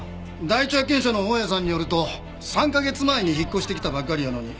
第一発見者の大家さんによると３カ月前に引っ越してきたばかりやのに。